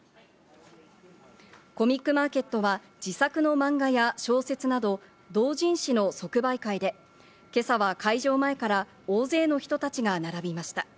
コミックマーケットは自作のマンガや小説など同人誌の即売会で、今朝は開場前から大勢の人たちが並びました。